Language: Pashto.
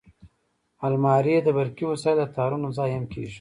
الماري د برقي وسایلو د تارونو ځای هم کېږي